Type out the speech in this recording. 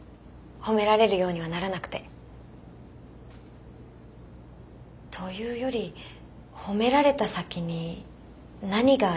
褒められるようにはならなくて。というより褒められた先に何がありますか？